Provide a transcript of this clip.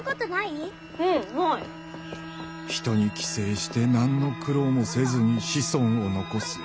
人に寄生して何の苦労もせずに「子孫を残す」。